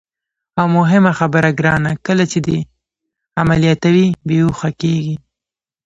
او مهمه خبره ګرانه، کله چې دې عملیاتوي، بېهوښه کېږي.